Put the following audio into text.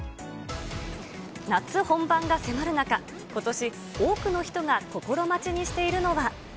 夏本番が迫る中、ことし多くの人が心待ちにしているのは。